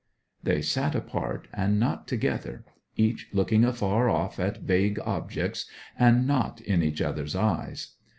They sat apart, and not together; each looking afar off at vague objects, and not in each other's eyes.